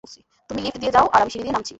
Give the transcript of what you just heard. তুমি লিফট দিয়ে যাও আর আমি সিঁড়ি দিয়ে নামছি।